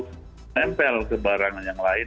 menempel ke barang yang lain